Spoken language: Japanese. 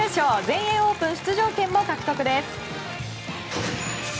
全英オープン出場権も獲得です。